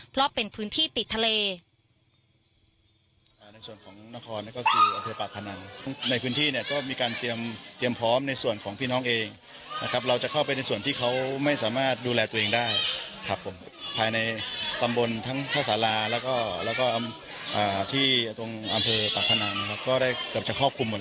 เพราะเป็นพื้นที่ติดทะเล